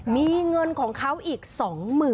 มีเงินของเขาอีก๒๐๐๐๐บาทค่ะ